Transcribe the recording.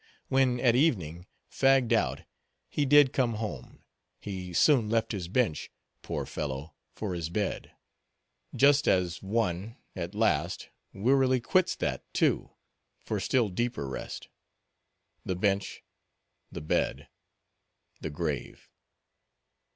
When at evening, fagged out, he did come home, he soon left his bench, poor fellow, for his bed; just as one, at last, wearily quits that, too, for still deeper rest. The bench, the bed, the grave.